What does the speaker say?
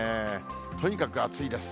とにかく暑いです。